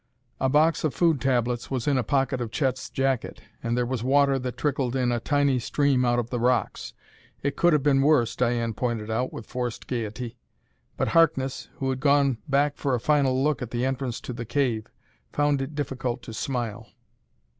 A box of food tablets was in a pocket of Chet's jacket, and there was water that trickled in a tiny stream out of the rocks. It could have been worse, Diane pointed out with forced gaiety. But Harkness, who had gone back for a final look at the entrance to the cave, found it difficult to smile.